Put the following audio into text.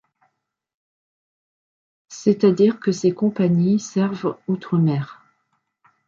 C'est-à-dire que ses compagnies servent outre-mer.